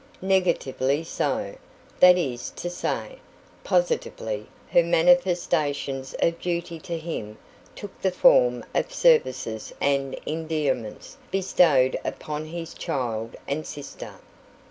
Negatively so, that is to say; positively, her manifestations of duty to him took the form of services and endearments bestowed upon his child and sister.